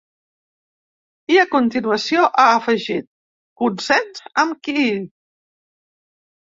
I a continuació ha afegit: Consens amb qui?